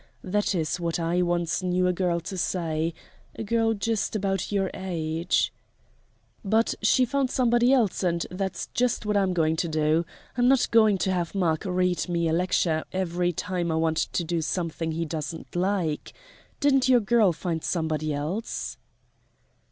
That is what I once knew a girl to say a girl just about your age " "But she found somebody else, and that's just what I'm going to do. I'm not going to have Mark read me a lecture every time I want to do something he doesn't like. Didn't your girl find somebody else?"